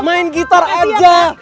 main gitar aja